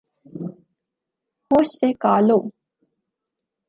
ہوش سے کا لو